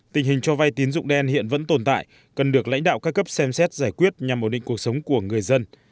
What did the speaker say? tình hình cho vay tín dụng đen hiện vẫn tồn tại cần được lãnh đạo ca cấp xem xét giải quyết nhằm ổn định cuộc sống của người dân